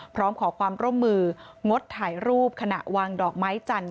พร้อมขอความร่วมมืองดถ่ายรูปขณะวางดอกไม้จันท